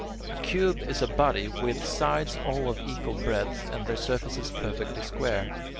A cube is a body with sides all of equal breadth and their surfaces perfectly square.